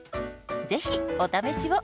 ぜひお試しを！